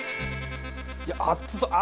いや熱そう！